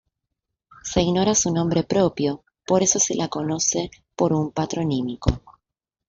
Se ignora su nombre propio, por eso se la conoce por un patronímico.